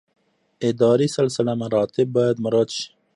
اداري سلسله مراتب باید مراعات شي